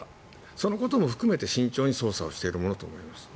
そのことも含めて慎重に捜査しているものと思われます。